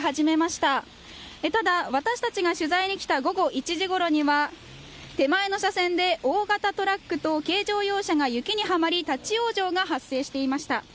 ただ、私たちが取材に来た午後１時ごろには手前の車線で大型トラックと軽乗用車が雪にはまり立ち往生が発生していました。